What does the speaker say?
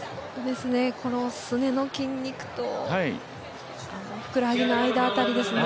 すねの筋肉とふくらはぎの間ぐらいですね。